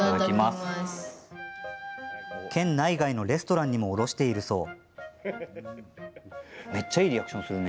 県内外のレストランにも卸しているそう。